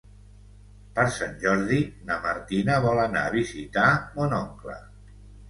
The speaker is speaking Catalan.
Per Sant Jordi na Martina vol anar a visitar mon oncle.